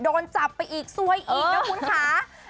โดนจับไปอีกซวยอีกนะคุณค่ะ